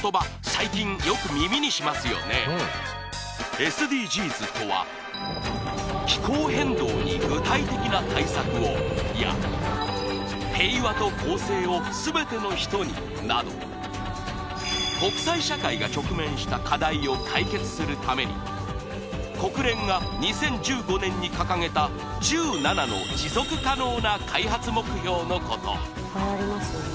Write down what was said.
最近よく耳にしますよねＳＤＧｓとは気候変動に具体的な対策をや平和と公正をすべての人になど国際社会が直面した課題を解決するために国連が２０１５年に掲げた１７の持続可能な開発目標のこと